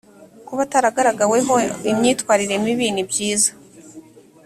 kuba ataragaragaweho imyitwarire mibi nibyiza